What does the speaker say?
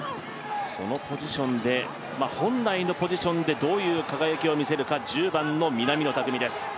そのポジションで本来のポジションでどういう輝きを見せるか、１０番の南野拓実です。